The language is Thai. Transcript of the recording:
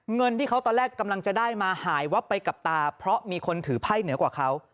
เงินที่เขาตอนแรกกำลังจะได้มาหายวับไปกับตาเพราะมีคนถือไพ่เหนือกว่าเขา